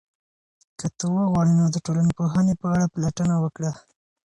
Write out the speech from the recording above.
که ته وغواړې، نو د ټولنپوهنې په اړه پلټنه وکړه.